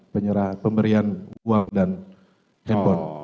pemberian uang dan handphone